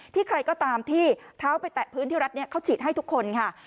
ใครก็ตามที่เท้าไปแตะพื้นที่รัฐนี้เขาฉีดให้ทุกคนค่ะ